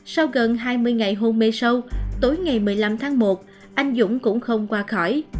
sau gần hai mươi ngày hôn mê sâu tối ngày một mươi năm tháng một anh dũng cũng không qua khỏi